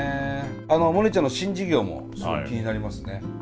モネちゃんの新事業もすごく気になりますね。